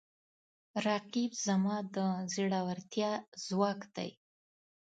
رقیب زما د زړورتیا ځواک دی